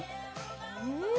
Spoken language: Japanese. うん！